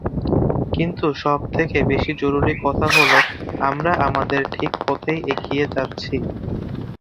কিন্ত সব থেকে বেশি জরুরি কথা হলো, আমরা আমাদের ঠিক পথেই এগিয়ে যাচ্ছি।